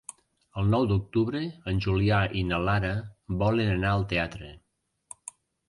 El nou d'octubre en Julià i na Lara volen anar al teatre.